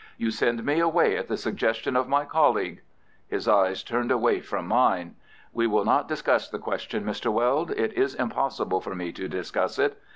"You send me away at the suggestion of my colleague." His eyes turned away from mine. "We will not discuss the question, Mr. Weld. It is impossible for me to discuss it.